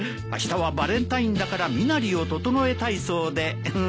あしたはバレンタインだから身なりを整えたいそうで。